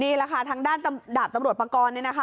นี่แหละค่ะทางด้านดาบตำรวจประกอบนี้นะคะ